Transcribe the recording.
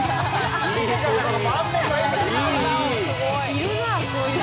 いるなあこういう人。